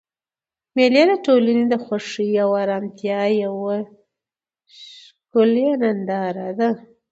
مېلې د ټولنې د خوښۍ او ارامتیا یوه ښکلیه ننداره ده.